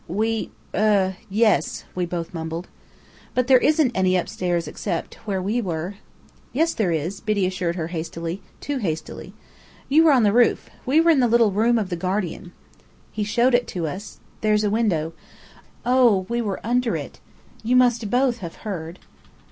"We er yes," we both mumbled. "But there isn't any upstairs except where we were." "Yes there is," Biddy assured her hastily too hastily. "You were on the roof. We were in the little room of the guardian." "He showed it to us. There's a window. Oh, we were under it! You must both have heard."